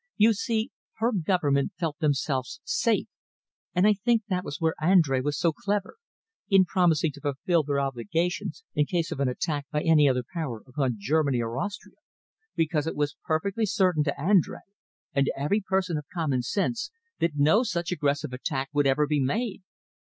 You see, her Government felt themselves safe and I think that that was where Andrea was so clever in promising to fulfil their obligations in case of an attack by any other Power upon Germany or Austria, because it was perfectly certain to Andrea, and to every person of common sense, that no such aggressive attack would ever be made.